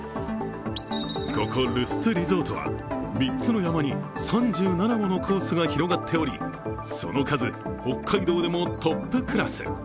ここルスツリゾートは３つの山に３７ものコースが広がっておりその数、北海道でもトップクラス。